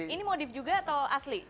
ini motif juga atau asli